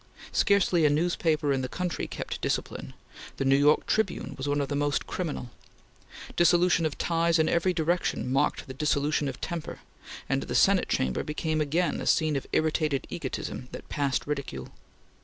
Scarcely a newspaper in the country kept discipline. The New York Tribune was one of the most criminal. Dissolution of ties in every direction marked the dissolution of temper, and the Senate Chamber became again a scene of irritated egotism that passed ridicule.